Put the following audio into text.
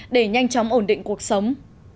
để nhanh chóng ổn định cuộc sống